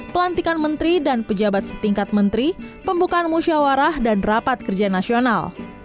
pelantikan menteri dan pejabat setingkat menteri pembukaan musyawarah dan rapat kerja nasional